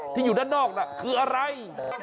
ที่อยู่ด้านนอกน่ะคืออะไร